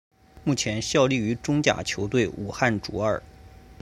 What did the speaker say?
目前效力于中甲球队武汉卓尔。